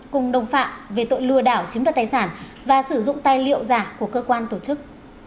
cùng đồng phạm về tội lừa đảo chiếm đoạt tài sản và sử dụng tài liệu giả của cơ quan tổ chức